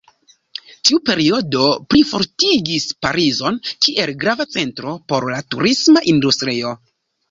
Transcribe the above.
Tiu periodo plifortigis Parizon kiel grava centro por la turista industrio.